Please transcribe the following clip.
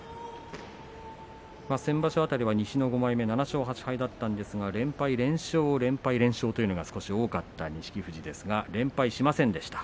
先場所辺りは西の５枚目７勝８敗だったんですが連敗、連勝、連敗というのが少し多かった錦富士ですが連敗しませんでした。